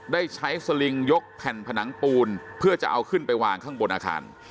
ได้ใช้สลิงยกแผ่นผนังปูนเพื่อจะเอาขึ้นไปวางข้างบนอาคาร